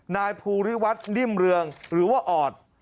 นายภูริวัฒน์นิ่มเรืองหรือว่าออด